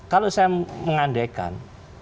kalau saya mengandekan